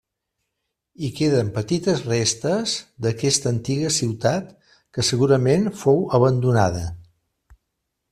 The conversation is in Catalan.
Hi queden petites restes d'aquesta antiga ciutat, que segurament fou abandonada.